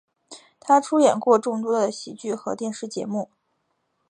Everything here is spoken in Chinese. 他出演过众多的喜剧和电视节目。